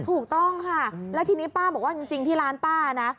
ถูกต้องค่ะแล้วทีนี้ป้าบอกว่าจริงที่ร้านป้านะ